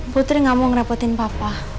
putri gak mau ngerepotin papa